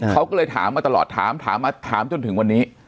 เขาก็เลยถามมาตลอดถามมาถามจนถึงวันนี้